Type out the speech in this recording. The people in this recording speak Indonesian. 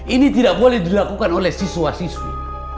ini tidak boleh dilakukan oleh siswa siswi